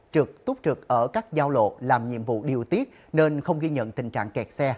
trực túc trực ở các giao lộ làm nhiệm vụ điều tiết nên không ghi nhận tình trạng kẹt xe